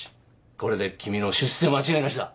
これで君の出世間違いなしだ。